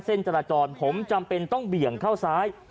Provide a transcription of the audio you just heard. เส้นจราจรผมจำเป็นต้องเบี่ยงเข้าซ้าย